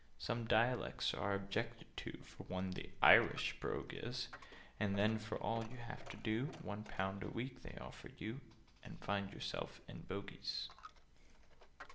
"Some dialects are objected to— For one, the Irish brogue is: And then, for all you have to do, One pound a week they offer you, And find yourself in Bogies!"